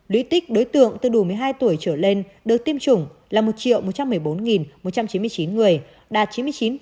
lý tích đối tượng từ đủ một mươi hai tuổi trở lên được tiêm chủng là một một trăm một mươi bốn một trăm chín mươi chín người đạt chín mươi chín hai mươi bảy